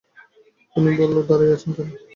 তিন্নি বলল, দাঁড়িয়ে আছেন কেন?